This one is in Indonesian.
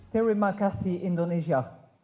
terima kasih indonesia